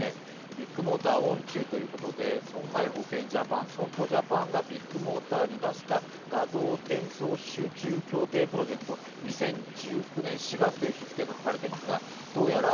ビッグモーター御中ということで損害保険ジャパン、損保ジャパンがビッグモーターに出した画像伝送集中協定プロジェクト、２０１９年４月という日付が書かれていますが、どうやら